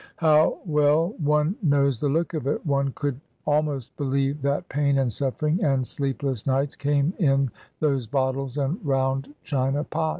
(How well one knows the look of it, one could almost believe that pain and suffering and sleepless nights came in those bottles and round china pots.